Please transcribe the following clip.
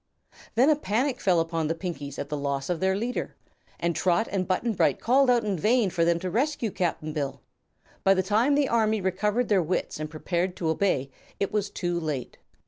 Then a panic fell upon the Pinkies at the loss of their leader, and Trot and Button Bright called out in vain for them to rescue Cap'n Bill. By the time the army recovered their wits and prepared to obey, it was too late.